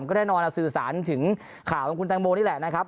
ก็แน่นอนสื่อสารถึงข่าวของคุณแตงโมนี่แหละนะครับ